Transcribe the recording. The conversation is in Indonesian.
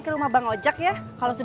bersama dingin pak dipuk liatin